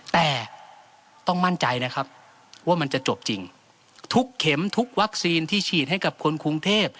แต่ต้องมั่นใจนะครับว่ามันจะจบจริงทุกเข็มทุกวัคซีนที่ฉีดให้กับคนกรุงเทพ